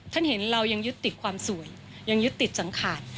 เห็นเรายังยึดติดความสวยยังยึดติดสังขาด